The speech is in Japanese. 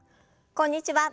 こんにちは。